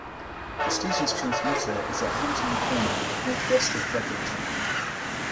The station's transmitter is at Hamtown Corner, north west of Fredericton.